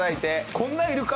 こんな要るか？